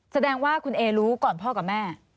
แสดงว่าคุณเอรู้ก่อนพ่อกับแม่